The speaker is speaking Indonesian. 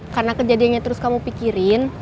karena kejadiannya terus kamu pikirin